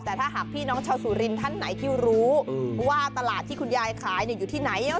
แต่ถ้าหากพี่น้องชาวสุรินทร์ท่านไหนที่รู้ว่าตลาดที่คุณยายขายอยู่ที่ไหน